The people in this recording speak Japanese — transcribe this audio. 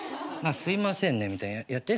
「すいませんね」みたいなやって。